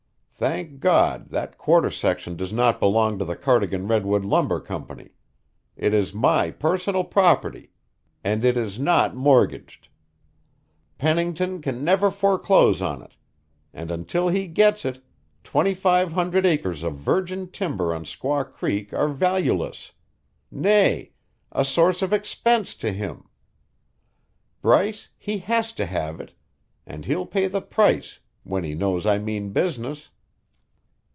Thank God, that quarter section does not belong to the Cardigan Redwood Lumber Company. It is my personal property, and it is not mortgaged. Pennington can never foreclose on it and until he gets it, twenty five hundred acres of virgin timber on Squaw Creek are valueless nay, a source of expense to him. Bryce, he has to have it; and he'll pay the price, when he knows I mean business."